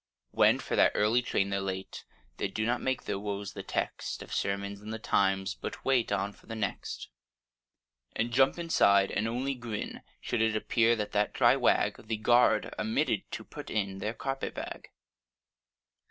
When for that early train they're late, They do not make their woes the text Of sermons in the Times, but wait On for the next; And jump inside, and only grin Should it appear that that dry wag, The guard, omitted to put in Their carpet bag.